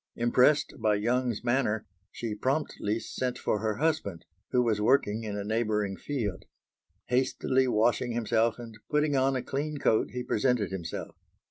Impressed by Young's manner, she promptly sent for her husband, who was working in a neighbouring field. Hastily washing himself and putting on a clean coat he presented himself.